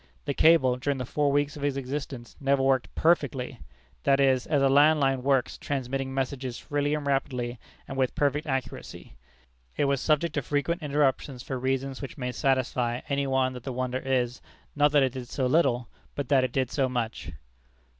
The cable, during the four weeks of its existence, never worked perfectly that is, as a land line works, transmitting messages freely and rapidly, and with perfect accuracy. It was subject to frequent interruptions for reasons which may satisfy any one that the wonder is, not that it did so little, but that it did so much.